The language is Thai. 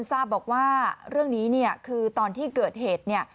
ซาบบอกว่าเรื่องนี้คือตอนที่เกิดเหตุ